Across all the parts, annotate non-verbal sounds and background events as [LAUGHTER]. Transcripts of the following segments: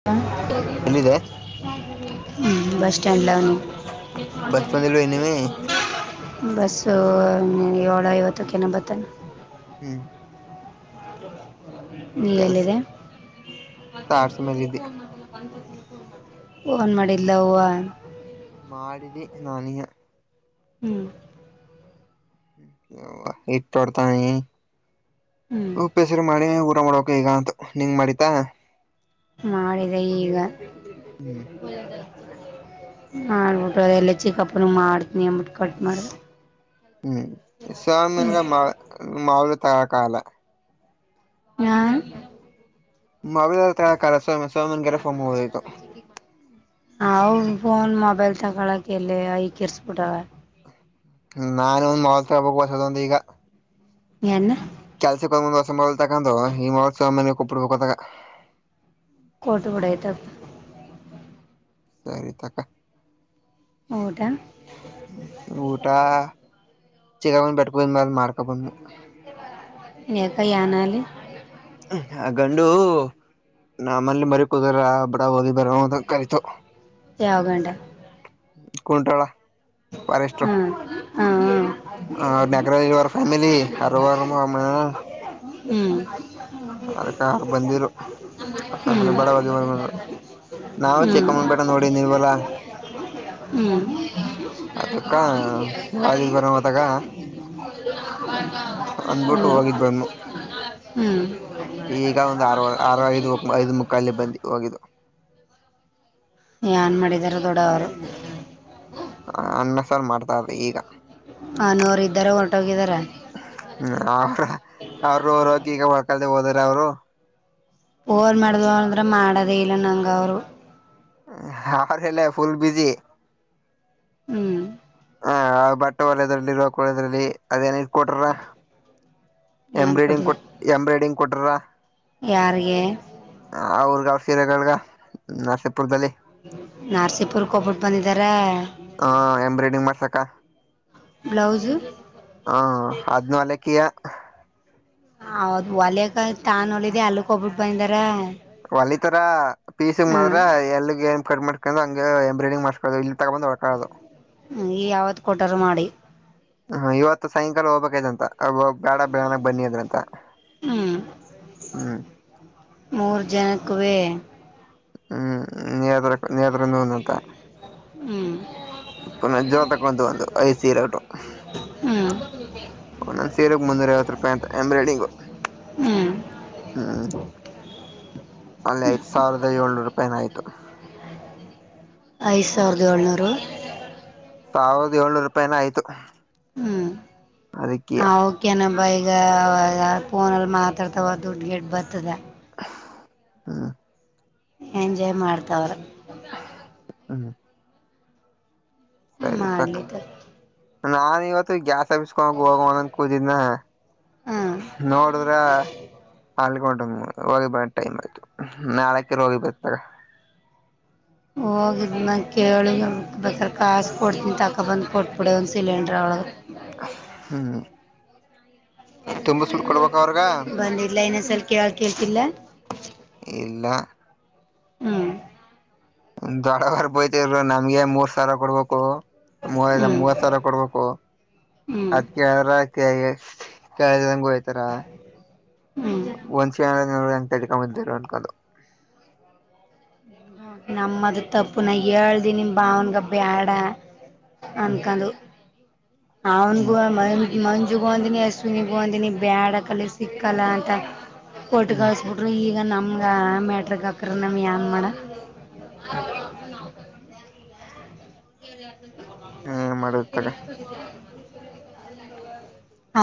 [UNINTELLIGIBLE] ಎಲ್ಲಿದೆ [UNINTELLIGIBLE] ಹು bus stand bus ಬಂದಿಲ್ವ ಇನ್ನುವೆ [UNINTELLIGIBLE] ಬಸ್ಸು ಏಳು ಐವತುಕ್ತೇನೋ ಬರ್ತಾನೆ. ಹ್ಮ್ [UNINTELLIGIBLE] ಈಗ ಕೆಲ್ಸ ಎಲ್ಲಿದೆ [UNINTELLIGIBLE] [INAUDIBLE] ತಾರ್ಸಿ ಮೇಲಿದ್ದೆ ಫೋನ್ ಮಾಡಿದ್ಲವ್ವ ಮಾಡಿದೆ ನಾನೆಯ ಹ್ಮ್ [INAUDIBLE] ಇಟ್ಟ ತೊಡತನೆಯೆ ಹ್ಮ್ ಉಪ್ಪೇಸರು ಮಾಡಿ ಊಟ ಮಾಡಬೇಕ್ ಈಗ ಅಂತು ನಿಂಗ ಮಾಡಿ ತಾನೆ ನಾ ಮಾಡಿದೆ ಈಗ [INAUDIBLE] ಮಾಡ್ಬಿಟ್ಟು ಎಲ್ಲಿ ಚಿಕ್ಕಪ್ಪನು ಮಾಡ್ತನಿ ಅಂಬಬಿಟ್ಟ ಕಟ್ ಮಾಡಿದಾ ಹ್ಮ್ ಸ್ವಾಮನ್ಗ ಮಾಳ ಮಾವಳ ತರಕಾಗಲ್ಲ ಹಾ ಮಗಳ ಹತ್ತರ ಕರೆಸೋನೋ ಸುಮ್ಮಗ ಇರು ಹೋಗಿತ್ತ [UNINTELLIGIBLE] ಹ ಫೋನ್ ಮೊಬೈಲ್ ತೊಗೊಳ್ಳೋಕೆ ಎಲ್ಲೇ ಐಕೆಹರಸಪಟ್ಟಳ ನಾನು ಮೊಬೈಲ್ ತಗೋಬೇಕ ಹೊಸಒಂದ್ ಈಗ ಏನ್ನ ಕೆಲಸಕ್ಕ ಹೋಗೋ ಮುಂದ ಹೊಸ ಮೊಬೈಲ್ ತಗೊಂಡ ಹೋಗ ಸುಮ್ಮನ ಉಪ್ಪರ ಬೇಕ್ ಅದಕ್ಕ್ ಕೊಟ್ಟ ಬಿಡ ಆಯ್ತ ಸರಿತಕ್ಕ ಊಟ [INAUDIBLE] ಊಟ..... [INAUDIBLE] ಚಿಕ್ಕವ್ವನ ಬೆಟ್ಟಕ್ಕ ಹೋಗಿ ಬಂದ್ಮೇಲ್ ಮಾಡ್ಕೋಡ ಬಂದೆ [INAUDIBLE] ಯೇಕ ಯಾನಆಗಲಿ ಆ ಗಂಡು ನಮಲ್ಲಿ ಮರಿ ಕುದುರ ಬಡ ಓದಿ ಬರ ಅಂತ ಕರಿತ ಯಾವ ಗಂಡ ಕುಂಟ್ಟರವ್ವ. ಹ್ಮ ಹಾ [UNINTELLIGIBLE] ಆ ನೇಗರ ಉಳ್ಳ ಪ್ನಾಮಿಲಿ ಆರವಾರಮ ಅಮ್ಮ ಹ್ಮ್ [UNINTELLIGIBLE] ಹ ಅದಕ್ಕ ಅವ್ರು ಬಂದಿರು ಅವ್ರ ಫ್ಯಾಮಿಲಿ ಬಡ ಹೋಗಿ ಬರ ನಾವು ಚಿಕ್ಕಮ್ಮನ ಬೇಡ ನೋಡಿ ನೀವಲ್ಲಾ [UNINTELLIGIBLE] ಹ್ಮ್ ಹ್ಮ್ [UNINTELLIGIBLE] ಅದಕ್ಕ ಹೋಗಿದ್ ಬರ ಮದಾಗ ಹ ಹ [UNINTELLIGIBLE] ಬ [UNINTELLIGIBLE] ಆರು ಹ್ಮ್ ಐದು ಐದು ಮುಕ್ಕಾಲಿ ಬಂದಿ ಹೋಗಿದ್ದು [UNINTELLIGIBLE] ಏನ ಮಾಡಿದಿದ್ದಾರೆ ದೊಡ್ಡವರು ಅನ್ನ ಸಾರು ಮಾಡ್ತಾವ್ರೆ ಈಗ ಹ ನೂರ ಇದ್ದವರು ಹೊರಟೋಗಿದ್ದಾರೆ [UNINTELLIGIBLE] ಫೋನ್ ಮಾಡ ಅಂದ್ರೆ ಮಾಡೋದೇ ಇಲ್ಲ ನಂಗ ಅವ್ರು ಹೌದಲೇ ಫುಲ್ ಬಿಜಿ ಹ್ಮ್ ಹ ಬಟ್ಟೆ ಹೊಲೆದ್ರಲ್ಲಿ ಇರುವ ಕೊಳೆದಲ್ಲಿ ಅದೇನ ಏನ ಕೊಟ್ಟಾರ ಏನ್ ಎಂಬ್ರಾಯ್ಡಿಂಗ್ ಕೊಟ್ಟಿದ ಕೊಟ್ಟ ಎಂಬ್ರಾಯ್ಡಿಂಗ್ ಕೊಟ್ಟಾರ ಯಾರಿಗೆ ಅವ್ರದ ಅವರ ಸೀರೆಗಳ ನರಸಿಪುರದಲ್ಲಿ ನರಸೀಪುರಕ್ಕೆ ಹೋಗಿ ಬಂದ್ಬಿಟ್ಟಿದ್ದಾರೆ ಹಾ ಎಂಬ್ರಾಯ್ಡಿಂಗ್ ಮಾಡ್ಸಕ ಬ್ಲೌಸು ಹಾ ಅದ್ನ ಅನ್ನಕ್ಕಿಯ ಹಾ ಹೌದ ಒಲೆಕ [UNINTELLIGIBLE] ತಾನ್ ಹೊಲಿದೆ ಅಲ್ಲಕ್ಕ ಹೋಗ್ಬಿಟ್ಟು ಬಂದಾರ ಹೊಲಿಥಾರ್ ಹ [UNINTELLIGIBLE] ನೀ ಯಾವತ್ ಕೊಟರಾ ಮಾಡಿ ಇವತ್ತು ಸಾಯಂಕಾಲ ಹೋಗಬೇಕಾಗಿತ್ತ ಅಂತ ಅವರ ಬೇಡ ಬೆಳಿಗ್ಗೆ ಬನ್ನಿ ಅದ್ರ ಅಂತ ಮೂರು ಜನಕ್ಕವೇ ಹ್ಮ ನೇ ನೇತರುನ್ನುಂದುತ್ತಾ [UNINTELLIGIBLE] ಹ್ಮ್ ನ ಜೋರತೆಕ್ಕೆಡ್ಂತ ಬಂದ ಐ ಸೀರ ಊಟು ಹ್ಮ ನನ್ ಸೇರೆಗ್ ಮುನ್ನೂರ ಐವತ್ತು ರೂಪಾಯಿ ಅಂತ ಎಂಬ್ರಾಯ್ಡಿಂಗು ಹ್ಮ್ ಹ್ಮ್ ಅಲ್ಲಿ ಐದ ಸಾವಿರದ ಏಳ್ನೂರು ರೂಪಾಯಿನ ಆಯ್ತು ಐದ್ ಸಾವಿರದ ಏಳ್ನೂರು ಸಾವಿರ ಏಳ್ನೂರು ರೂಪಾಯನ ಆಯ್ತು ಹ್ಮ್ ಅದಕ್ಕೆ ಹ ೆ ಕೆನೊಬ್ಬ ಈಗ ಫೋನಲ್ಲಿ ಮಾತಾಡ್ತಾವೋ ದುಡ್ಡು ಗಡ್ ಬರ್ತದೆ ಹ್ಮ ಎಂಜಾಯ್ ಮಾಡ್ತವ್ರ ಹ್ಮ್ ತ ಮಾಡ್ಲಿತ್ತು ನಾ ಇವತ್ತು ಗ್ಯಾಸ್ ಆಫೀಸ್ ಗೆ ಹೋಗವಣ ಅನ್ ಕೂುದಿದನ ಹಾಂ ನೋಡಿದ್ರ [UNINTELLIGIBLE] ಹೋಗಿದ್ದ ನಂಗ ಕೇಳಿ ಬೇಕಾದ್ರೆ ಕಾಸು ಕೊಡ್ತೀನಿ ತಕೊ ಬಂದು ಕೊಟ್ಟಬಿಡಾ ಒಂದು ಸಿಲಿಂಡ್ರ ಹ್ಮ್. [UNINTELLIGIBLE] ತುಂಬಸ್ಬಿಟ್ಟ ಕೊಡ್ಬೇಕ ಅವ್ರಗ ಬಂದಿಲ್ಲ ಇನ್ನೊಂದ್ಸಲಿ ಕೇಳಿ ಕೇಳ್ತಿಲ್ಲಾ. ಇಲ್ಲ. ಹ್ಮ್. [UNINTELLIGIBLE] ದೊಡ್ಡವರ ಬೈತಾರೆ ನಮ್ಗೆ ಮೂರ ಸಾವಿರ ಕೊಡ್ಬೇಕು. ಮೂವ ಹ್ಞೂ ಮೂವತ್ ಸಾವಿರ ಕೊಡ್ಬೇಕು ಹ್ಞೂ ಅದ್ ಕೇಳಿದ್ರ. ಹ್ಞೂ [UNINTELLIGIBLE] [UNINTELLIGIBLE] ನಮ್ಮದ ತಪ್ಪು ನ ಹೇಳ್ದಿನಿ ನಿಮ್ಮ್ ಭಾವನ್ಗ ಬ್ಯಾಡ ಹ್ಮ್ ಅನ್ಕೊಂದು. ಅವನ್ಗೂ ಹ್ಮ್ ಮ. ಮಂಜುಗು ಅಂದಿನಿ ಅಶ್ವಿನೂಗೆ ಅಂದಿನಿ ಬ್ಯಾಡಕಲ್ಲ ಸಿಕ್ಕಲ್ಲ ಅಂತ. ಹ್ಮ್ ಒಟ್ಟಗಳಸ್ಬಿಟ್ರಿ ಈಗ ನಮ್ಗ. [INAUDIBLE] ಹ್ಮ್ ಮಾಡುತ್ತಾಗ [UNINTELLIGIBLE] [INAUDIBLE] [INAUDIBLE]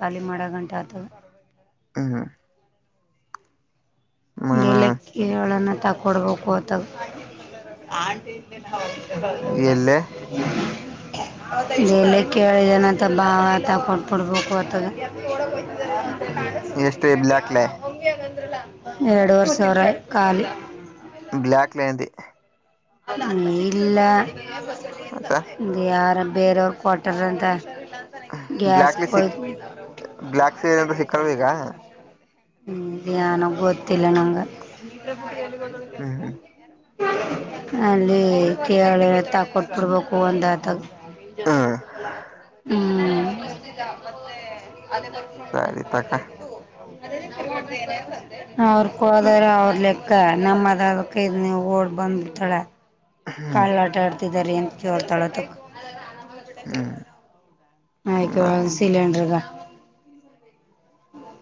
ಖಾಲಿ ಮಾಡೋ ಗಂಟಾ ಆತದ. ಹ್ಮ. ಮನ ಗೆಲಕ್ಕಿಗಳ್ಳನ್ನು ತಕೊಡ್ಬೇಕು ಅಥ. [INAUDIBLE] ಎಲ್ಲೆ [INAUDIBLE] ಎಷ್ಟು ಬ್ಲಾಕ್ಲೆ ಎರಡು ವರೇ ಸಾವಿರ ಖಾಲಿ. ಬ್ಲಾಕ್ ಮೆಂದಿ. ಹ ಇಲ್ಲ ಮತ್ತ ಯಾರ ಬೇರೆಯವ್ರ ಕೊಟ್ಟ. [UNINTELLIGIBLE] [INAUDIBLE] ಬ್ಲ್ಯಾಕ್ಲಿ ಸಿಕ್ ಬ್ಲ್ಯಾಕ್ ಸಿ ಏನಂದ್ರರು ಸಿಕ್ಕಲ್ ಈಗ ಹ್ಮ್ ಗೊತ್ತಿಲ್ಲ ನಂಗ ಹ್ಮ್ ಹ್ಮ್ ಅಲ್ಲಿ ಕೆಳೆತ್ತ ಕೊಟ್ಬಿಡ್ಬೇಕು ಒಂದುಥ ಹ್ಮ್ ಹ್ಮ್ ಸರಿ ತಕ [UNINTELLIGIBLE] [INAUDIBLE] ಅವ್ರ ಕೊಡ್ದೇಇರೋ ಅವ್ರ ಲೆಕ್ಕ ನಮ್ಮದ ಅದಕ ಇದ್ ನೀವು ಓಡ್ ಬಂದ್ರ್ತಾಳ ಹ್ಮ್ ಕಾಳ್ಳ ಆಟ ಆಡ್ತಿದಾರಿ ಎಂತ ಜೋರ್ ತಳೋತಕ್ ಹ್ಮ್ ಆಯ್ ಸ ಸಿಲೆಿಂಡರ್ಗ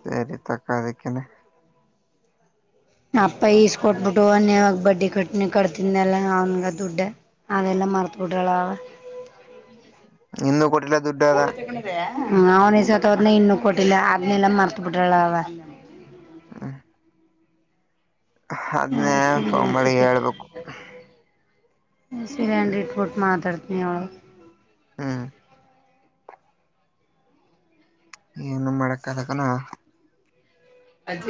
ಸರಿ ತಕ್ಕ ಅದಕ್ಕನೆ ಅಪ್ಪ ಈಸ್ ಕೊಟ್ಬಿಟ್ಟು ಅನ್ಯವಾಗ ಬಡ್ಡಿ ಕಟ್ನಿ ಕಟ್ತನ್ೆಲ್ಲ ಅವನ್ಗ ದುಡ್ಡ ಅದೆಲ್ಲ ಮರ್ತ ಬಿಟ್ಟಳಾವ ಇನ್ನೂ ಕೊಟ್ಟಿಲ್ಲ ದುಡ್ಡು ಅದ ಅವ್ನೆ ಸತೋದ್ನ ಇನ್ನು ಕೊಟ್ಟಿಲ್ಲ ಆದದ್ನೆಲ್ಲ ಮರ್ತ್ ಬಿಟ್ರಳ ಅವ ಹ್ಮ್ ಅದ್ನೇ ಆಯ್ತು ಫೋನ್ ಮಾಡಿ ಮಾತಕ್ಕೆ ಹೇಳ್ಬೇಕು ಸರಿಯನ್ ರಿಟ್ಬೋಟ್ ಮಾತಾಡ್ತನಿ ಅವಳ ಹ್ಮ್ ಏನು ಮಾಡಕ್ದಕನ [UNINTELLIGIBLE]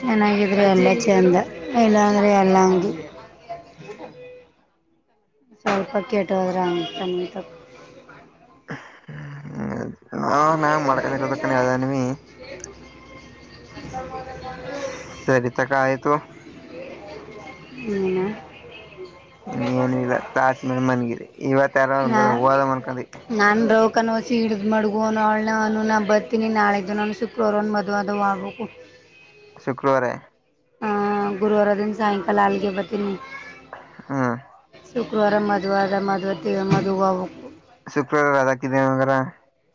ಚೆನ್ನಾಗಿದ್ರೆ ಅಲ್ಲೇ ಚೆಂದ ಇಲ್ಲ ಅಂದ್ರೆ ಎಲ್ಲಂಗಿ [INAUDIBLE] ಸ್ವಲ್ಪ ಕೆಟ್ಟ ಹೋದ್ರೆ ಅತಾನಂತ ಹಾ ನಾನ್ ಮಾಡ್ಕೊಂಡ ಇರೋದಕ್ಕ ಅದು ಎನ್ವಿ [INAUDIBLE] ಸರಿಿತಕ ಆಯ್ತು ನೀನ ್ಏನನು ಇಲ್ಲ ತಾಸ ಮೇಲೆ ಮನ್ಗಿದೆ ಇವತ್ತ ಯಾರ ನಾ ಒನ್ಡೆ ಹೋದ ಮನ್ಕೊಂಡಿ ನಾನು ರೌಕನೋಸಿ ಹಿಡಿದ್ ಮಡಗು ಅವ ಅವಳನ ಅವನು ನು ಬರ್ತೀನಿ ನಾಳಿದ್ದದು ನು ಸು ಕ್ಲರೋನ್ ಬದುವಾದ ಆಗಬೇಕಕ ಶುಕ್ರವಾರ ಹ ಗುರುವಾರ ದಿನ ಸಾಯಂಕಾಲ ಅಲ್ಲಿಗೆ ಬತನಿ ಹ್ಮ್ ಶುಕ್ರವಾರ ಮದ್ುವಾರ ಮದುವೆ ಮದುವಬೇಕು ಶುಕ್ರವಾರ ರಜ ಆಕ್ತಿಯ ಅಂಗಾರ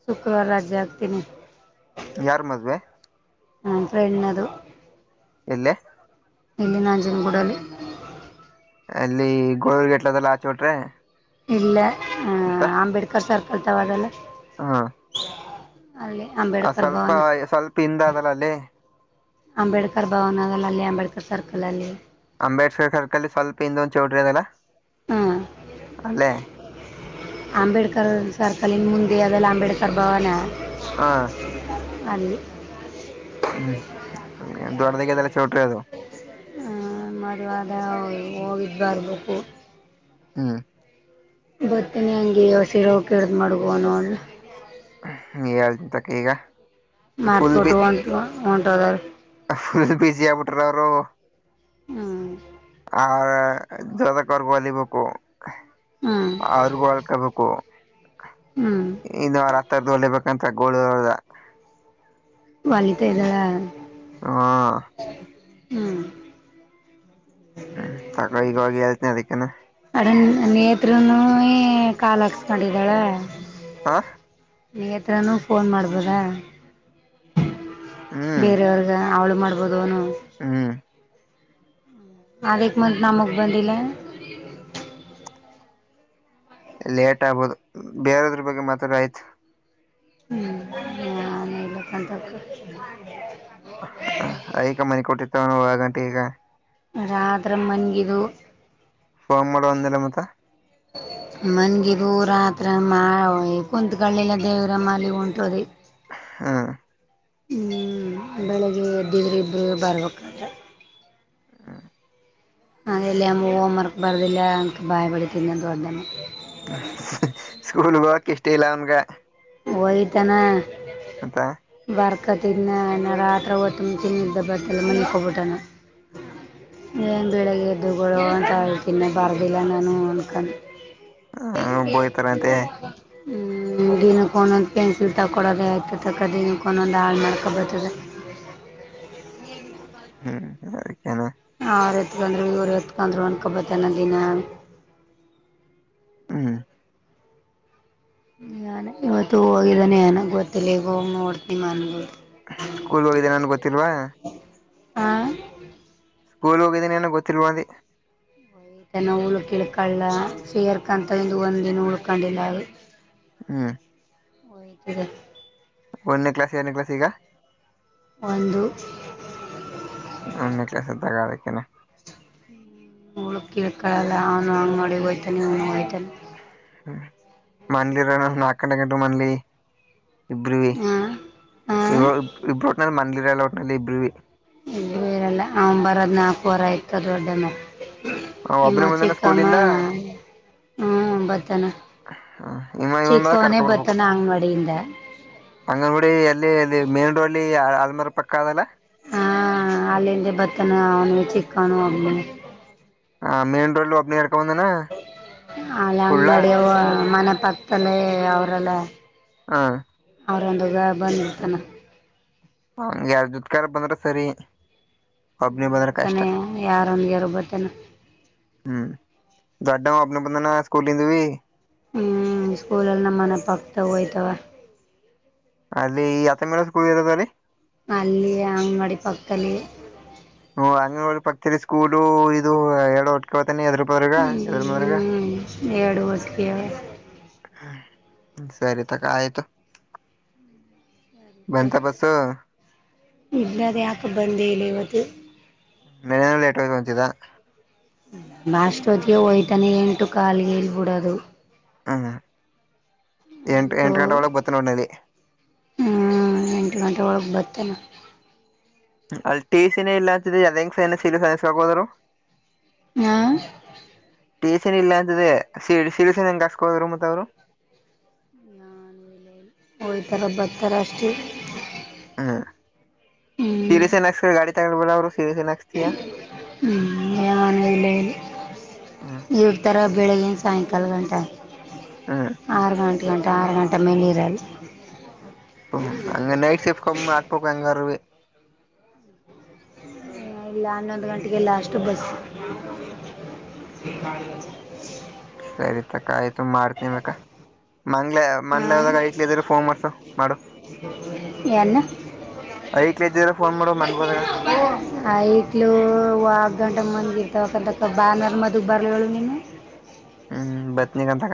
ಶುಕ್ರವಾರ ರಜೆ ಹಾಗ್ತೀನಿ ಯಾರ್ ಮದ್ವೆ ನನ್ ಫ್ರೆಂಡನದು ಎಲ್ಲೇ ಇಲ್ಲಿ ನಂಜನಗೂಡಲಿ ಅಲ್ಲಿ ಗೋಳೂರ್ ಗೇಟ್ಲದೆಲ್ಲ ಆಚೋಟ್ರೆ ಇಲ್ಲ ಹ ಮತ್ತ ಅಂಬೇಡ್ಕರ್ ಸರ್ಕಲ್ ತವಾದಲ್ಲ ಹಾ ಅಲ್ಲೆ ಅ ಸ್ವಲ್ಪ ಸ್ವಲ್ಪ ಹಿಂದ ಅದಲ್ಲ ಅಲ್ಲೆ ಅಂಬೇಡ್ಕರ್ ಭವನ ಅಲ್ಲಿ ಅಂಬೇಡ್ಕರ್ ಸರ್ಕಲಲ್ಲಿ ಅಂಬೇಡ್ಕರ್ ಸರ್ಕಲ್ಲಿ ಸ್ವಲ್ಪ ಹಿಂದೊಂದು ಚೌಟ್ರಿ ಅದಲ್ಲ ಹಾಂ ಅಲ್ಲೇ ಅಂಬೇಡ್ಕರ್ ಸರ್ಕಲಿನ ಮುಂದೆ ಅದೆಲ್ಲ ಅಂಬೇಡ್ಕರ್ ಭವನ ಹಾ ಅಲ್ಲಿ ಹ್ಮ್ ಅ ದೊಡ್ಡದಾಗ ಅದೆಲ್ಲ ಚೌಟ್ರಿ ಅದು ಆ ಮದ್ವೆ ಅದ ಹೋಗಿದ್ದು ಬರ್ಬೇಕು ಹ್ಮ್ ಬರ್ತೀನಿ ಹಂಗೆಯ ಸೀರೆ ಉಟ್ಕೋ ಮಾಡು ಹೋಗು ಅನ್ನು ಅವ್ಳ್ನ ಹ್ಮ್ ಏಳ್ತೀ ತಕ ಈಗ ಫುಲ್ ಬಿ ಮರ್ತಿಬಿಟ್ಟು ಹೊಂಟ ಹೊಂಟದರು ಫುಲ್ ಬಿಸಿ ಆಗ್ಬಿಟ್ರ ಅವರು ಹ್ಮ್ ಆ [UNINTELLIGIBLE] ವಲಿಬೇಕು ಹಾ ಅವ್ರಗ ಒಳ್ಕಬೇಕು ಹ್ಮ್ ಇನ್ನು ಅವರ ಅತ್ತೇದು ಹೊಲಬೇಕಂತ [UNINTELLIGIBLE] ವಲಿತ ಇದ್ದಳ ಹಾ ಹ್ಮ ಹ್ಮ ತಕ ಈವಾಗ ಹೆಳ್ತನೆ ಅದಕ್ಕೆನ. ಅಡ ನೇತ್ರನುವೆ ಕಾಲ ಹಾಕ್ಸ್ಕೊಂಡಿದ್ದಾಳ. ಹಾ. ನೇತ್ರಾ ನು ಫೋನ್ ಮಾಡ್ಬೋದ ಬೇರವರ್ಗ. ಅವಳು ಮಾಡ್ಬೋದು ಅನು. ಹ್ಮ. ಅದಕ್ ಮತ್ ನಮಗ್ ಬಂದಿಲ್ಲ. ಲೇಟ್ ಆಗಬೌದು ಬೇರೆದ್ರ ಬಗ್ಗೆ ಮಾತಡು ಆಯ್ತು. ಹ್ಮ್. ಅಂತ. [UNINTELLIGIBLE] ಐಕ ಮನೆ ಕೊಟ್ಟಿತ್ತು. ಹು [UNINTELLIGIBLE] ಈಗ. ರಾತ್ರ ಮನಗಿದು. ಫೋನ್ ಮಾಡು ಅಂದಲ ಮತ್ತ. ಮಂಗಿದು ರಾತ್ರ ಮಾ ಕುಂಣ್ತ್ಕಲಿಲ್ಲ ದೇವರ ಮಾಲಿ ಒಂಟದಿ. ಹಾ. ಹ್ಮ ಬೆಳಗ್ಗೆ ಎದ್ದಿವಿ ಇಬ್ರು ಬರ್ಬೇಕು. ಅಗೆಲ್ಲೆ ಅಮ್ಮು ಹೋಮ ವರ್ಕ್ ಬರದಿಲ್ಲ ಅಂತ ಬಾಯಿಬಡಿತನ ತೊಂದಾನ. ಸ್ಕೂಲ್ ಹೊಗಕ ಇಷ್ಟ ಇಲ್ಲ ಅವನಗ. ಹೊಯ್ತನ. ಮತ್ತ. ಬರ್ಕತಿಂದ ನಾ ರಾತ್ರ ಒತ್ತ ಉಣತಿನಿ ಅಂತ [UNINTELLIGIBLE] ಮನಕೊಬಿಟ್ಟಾನ. ಹ್ಮ. ಏನ ಬೆಳಿಗ್ಗೆ ಎದ್ದು ಗಲೋ ಅಂತ ಅಲತಿದ್ನ ಬರದಿಲ್ಲ ನಾನು ಅಂದಕೊಂಡು. [UNINTELLIGIBLE] ಹ ಬೋಯ್ತಾರಂತೆ ಹ್ಮ ದಿನ. ಒಂದೊಂದ್ ಪೆನ್ಸಿಲ್ ತಗ ಕೊಡೋದೇ ಆಯ್ತು ತಕ್ಕ ದಿನಕ್ಕ ಒಂದೊಂದು ಹಾಳು ಮಾಡ್ಕೊ ಬರ್ತದೆ. ಹ್ಮ್ ಅದಕೆನ್. ಅವ್ರು ಎತ್ಕೊಂಡ್ರ ಇವರು ಎತ್ಕೊಂಡ್ರು ಅಂಕೊಂಡ್ ಬರತನ ದಿನಾ. ಹ್ಮ್. ಇವತ್ತು ಹೋಗಿದಾನೆ ಏನ ಗೊತ್ತಿಲ್ಲ ಈಗ ಹೋಗಿ ನೋಡ್ತನೀ ಮನೆಗೆ. ಸ್ಕೂಲ್ ಹೋಗಿದ್ದೇ ನಾನ್ ಗೊತ್ತಿಲ್ವಾ. ಹಾಂ ಸ್ಕೂಲ್ ಹೋಗಿದೀ ಏನು ಗೊತ್ತಿಲ್ವ ದೀ. ನ ಉಳ್ಕ್ ಇಳ್ಕಳ್ಳ ಸೇರ ಕಂತ ಒಂದಿನ ಉಳ್ಕೊಂಡಿಲ್ಲ ಅಲ್ಲಿ. ಹ್ಮ. [UNINTELLIGIBLE] ಒಂದನೇ ಕ್ಲಾಸ್ ಎರಡನೇ ಕ್ಲಾಸ್ ಈಗ. ಒಂದು. ಒಂದನೇ ಕ್ಲಾಸ್ ತಗಾ ಅದಕ್ಕೆನ. ಉಳ ಕೀಳ್ಕಳಲ್ಲ ಅವನು ಹಂಗ್ ಮಾಡಿ ಹೋಯ್ತಾನೆ ಅವ್ನು ಹೋಯ್ತಾನೆ. [UNINTELLIGIBLE] ಇಬ್ರವಿ ಹಾಂ ಹಾಂ ಇಬ್ ಇಬ್ರ ಮನಲಿಲ್ಲ ಒಟ್ನಲ್ಲಿ ಇಬ್ರವಿ. ಇಬ್ಬರು ಇರಲ್ಲ ಅವ ಬರದು ನಾಲ್ಕ ವರೆ ಆಯ್ತದ ದೊಡ್ಡನಾ. ಇವ ಒಬ್ಬನೇ ಬಂದನ ಚಿಕ್ಕಮ್ಮ. ಸ್ಕೂಲಿಂದ ಹ್ಮ್ ಬರತನ ಇಮ್ಮ ಇವ ಇವನ್ ಮೇಲೆ ಚಿಕ್ಕವನೇ ಕರ್ಕೊ ಬರ್ಬೇಕು ಬರ್ತನ ಅಂಗನವಾಡಿಲಿಂದ. ಅಂಗನಗುಡಿ ಎಲ್ಲಿ ಅಲ್ಲಿ ಮೇನ್ ರೋಡ್ ಆಲ್ಮಾರ ಪಕ್ಕ ಅದಲ್ಲ. ಹಾ ಅಲ್ಲಿಂದ ಬತ್ತನ ಅವನು ಚಿಕ್ಕನು ಒಬ್ನೆ. ಹಂ ಮೈನ್ ರೋಡ್ಲ ಒಬ್ನೆ ಇಳ್ಕ ಬಂದೊನೆ. ಅಲ್ಲಂಗ್ ನಡಿಯವ ಮನೆ ಪಕ್ದಲ್ಲೇ ಅವರಲ್ಲ. ಹಾ ಅವರೊಂದದೆ ಬಂದಿರ್ತಾನೆ. ಯಾರ [UNINTELLIGIBLE] ಬಂದ್ರ ಸರಿ. ಒಬ್ನಿ ಬಂದ್ರ ಕಷ್ಟ ಬಂದ್ಬಿಡ್ತಾನೆ ಯಾರೊಂದ್ಗಾರು ಬರ್ತಾನ. ಹ್ಮ್ ದೊಡ್ಡವ್ ಒಬ್ಬನೆ ಬಂದನ ಸ್ಕೂಲಿಂದವಿ. ಹ್ಮ್ ಸ್ಕೂಲಲ್ಲಿ ನಮ್ಮನೆ ಪಕ್ತದವ್ ಹಯ್ತವ. ಅಲ್ಲಿ ಯಾತ್ತ ಮೇಲೆ ಸ್ಕೂಲ್ ಇರೋದಲ್ಲಿ. ಅಲ್ಲಿ ಅಂಗನ್ವಾಡಿ ಪಕ್ದಲ್ಲಿ. ಹ ಅಂಗನ್ವಾಡಿ ಪಕ್ದಲಿ ಸ್ಕೂಲು ಇದು ಎರಡೂ ಹೊಟ್ಕತಾನ ಎದ್ರ ಬದ್ರಗ ಎದ್ರ ಬದ್ರಗ. ಹ್ಮ್ ಎರಡು [UNINTELLIGIBLE] ಹ ಸರಿತಕ ಆಯ್ತು. ಬಂತಾ ಬಸ್ಸು? ಇಲ್ಲ ರೀ ಆಕೆ ಬಂದೇ ಇಲ್ಲ ಇವತ್ತು. ನೆನ್ನೆನೂ ಲೇಟಾಗಿ ಹೊಂಚಿದಾ. ನಾಷ್ಟೋತ್ಗೇ ಹೊಯ್ತಾನೆ ಎಂಟು ಕಾಲಗೇ ಇಲ್ಬಿಡೋದು. ಹಂಗ ಎಂಟ್ ಎಂಟ್ ಗಂಟೆ ಒಳಗೆ ಬತ್ತನೇ [UNINTELLIGIBLE] ಹ್ಮಾ ಎಂಟ್ ಗಂಟೆ ಒಳಗೆ ಬರ್ತಾನ. ಅಲ್ಲಿ ಟಿ ಸಿನೇ ಇಲ್ಲ ಅಂತದೀ ಅದ ಹೆಂಗ ಸೈನ್ ಇ ಸೀಲು ಹಾಕ್ಸೋದ್ರು. ಹಾ ಟೀಚರೇ ಇಲ್ಲ ಅಂದಿದೆ ಸಿ ಸೀಲು ಸೖನು ಹಂಗ್ ಹಾಕ್ಸೊಹೋದ್ರು ಮತ್ ಅವ್ರು. ಒಂತರ ಭತ್ತರ ಅಷ್ಟೇ. ಹ್ಮ್ ಹ್ಮ್ ಸೀರಿಯಸ್ನಕ್ಸ್ತ ಗಾಡಿ ತಗೊಂಡಬರ ಅವರು ಸೀರಿಸೆನಾಕ್ಸ್ತಿಯಾ? ಹ್ಮ್ [UNINTELLIGIBLE] ಇಡ್ತರ ಬೆಳಿಗ್ಗಿನ್ ಸಾಯಂಕಾಲ್ಗಂಟ. ಹ್ಮ್ ಆರು ಗಂಟೆಗಂಟ ಆರು ಗಂಟೆ ಮೇಲಿರಲ್ಲ. ಹಂ ನೈಟ್ ಶಿಫ್ಟ್ ಕಂ ಅಕ್ಬೇಕು ಹೆಂಗಾರುವೆ. ಇಲ್ಲ ಹನ್ನೊಂದ್ ಗಂಟೆಗೆ ಲಾಸ್ಟು ಬಸ್. ಸರಿತಕ ಆಯ್ತು ಮಾಡ್ತಿಮಕ್ಕ ಮಂಗ್ಲೆ ಮನ್ಲ್ ಯಾವ್ದಾರ ಐಕ್ಳ್ ಇದ್ರ ಫೋನ್ ಮಾಡ್ಸು ಮಾಡು. [UNINTELLIGIBLE] ಯಾರ್ನ [UNINTELLIGIBLE] ಐಕ್ ಇದ್ದ್ರ ಫೋನ್ ಮಾಡು ಮನ್ಗೋದಾಗ. ಆ ಐಕ್ಳು ವಾದ್ ಗಂಟೆ ಮನಿಗಿದ್ಗ ಇರ್ತವಕ್ಕಂತಕ್ಕ ಬಾನ್ವಾರ್ ಮದುವ್ಗಿ ಬರ್ಲೀಲವಲ್ಲ ನೀನು. ಹ್ಮ್ ಬತ್ನಿಗನ್ ತಗ.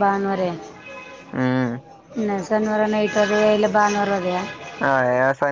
ಭಾನುವಾರೆ ಹ್ಮ್ ಶನಿವಾರ ನೈಟ್ ಓದಯ ಇಲ್ಲ ಭಾನುವಾರ ಓದೆಯ. ಹಾ ಯ ಸನ್